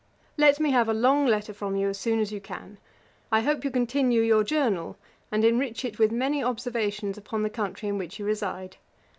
'Let me have a long letter from you as soon as you can. I hope you continue your journal, and enrich it with many observations upon the country in which you reside.